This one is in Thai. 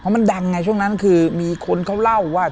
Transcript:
มันดังไงช่วงนั้นคือมีคนเขาเล่าว่า